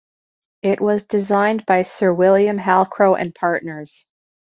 It was designed by Sir William Halcrow and Partners.